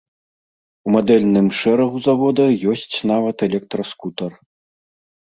У мадэльным шэрагу завода ёсць нават электраскутар.